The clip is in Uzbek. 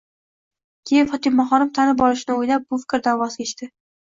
Keyin Fotimaxonim tanib qolishini o'ylab bu fikrdan voz kechdi.